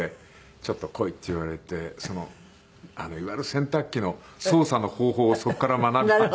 「ちょっと来い」って言われていわゆる洗濯機の操作の方法をそこから学び始めて。